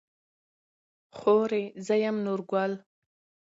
خورې زه يم نورګل.